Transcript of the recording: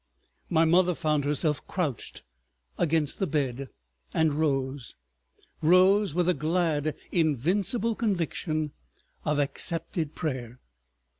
My mother found herself crouched against the bed, and rose—rose with a glad invincible conviction of accepted prayer.